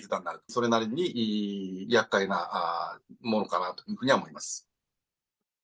それなりにやっかいなものかなというふうには思います。